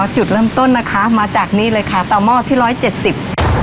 จุดเริ่มต้นนะคะมาจากนี้เลยค่ะต่อหม้อที่ร้อยเจ็ดสิบ